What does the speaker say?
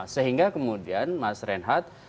sehingga kemudian mas renhat